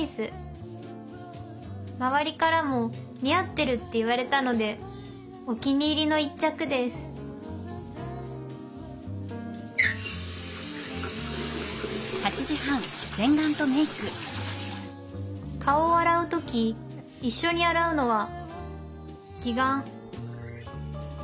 周りからも似合ってるって言われたのでお気に入りの一着です顔を洗う時一緒に洗うのは義眼。